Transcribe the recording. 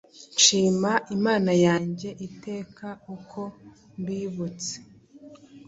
Nshima Imana yanjye iteka, uko mbibutse,